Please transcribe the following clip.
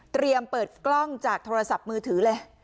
เปิดกล้องจากโทรศัพท์มือถือเลย